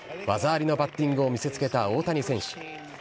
技ありのバッティングを見せつけた大谷選手。